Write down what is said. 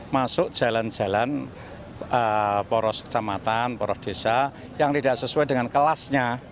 masuk jalan jalan poros kecamatan poros desa yang tidak sesuai dengan kelasnya